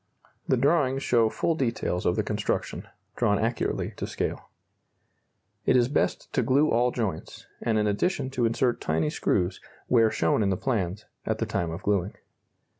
The drawings show full details of the construction, drawn accurately to scale. It is best to glue all joints, and in addition to insert tiny screws, where shown in the plans, at the time of gluing.